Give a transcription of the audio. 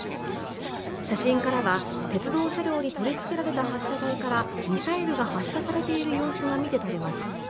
写真からは鉄道車両に取りつけられた発射台からミサイルが発射されている様子が見てとれます。